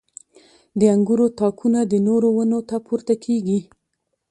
• د انګورو تاکونه د نورو ونو ته پورته کېږي.